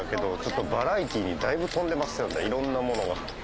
いろんなものが。